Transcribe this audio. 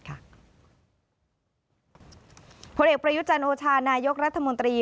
ผลเอกประยุจันโอชานายกรัฐมนตรี